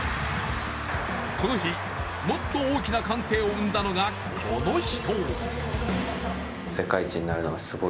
この日、もっと大きな歓声を生んだのがこの人。